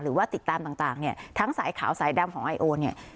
หรือว่าติดตามต่างเนี่ยทั้งสายขาวสายดำของไอโอเนี่ย